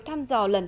tham dò lần thứ năm